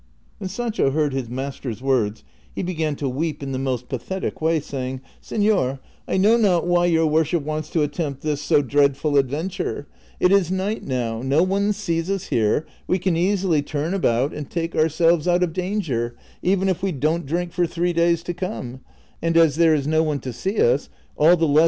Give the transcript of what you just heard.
"When Sancho heard his master's words he began to weep in the most pathetic way, saying, " Seiior, I know not why your worship wants to attempt this so dreadful adventure ; it is night now, no one sees us here, we can easily turn about and take ourselves out of danger, even if Ave don't drink for three days to come ; and as there is no one to see us, all the lesj.